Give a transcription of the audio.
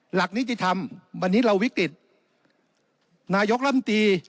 หลักนี้จะทำวันนี้เราวิกฤตินายกลำตี